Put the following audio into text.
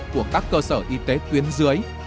của các cơ sở y tế tuyến dưới